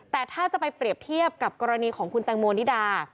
แต่ถ้าจะไปเปรียบเทียบกับกรณีของคุณแตงโมนิดา